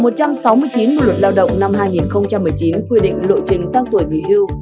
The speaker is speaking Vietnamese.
một trăm sáu mươi chín bộ luật lao động năm hai nghìn một mươi chín quy định lộ trình tăng tuổi nghỉ hưu